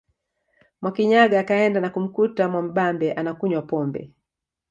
Mwakinyaga akaenda na kumkuta Mwamubambe anakunywa pombe